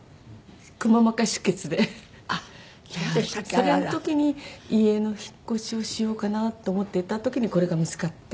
それの時に家の引っ越しをしようかなと思っていた時にこれが見付かって。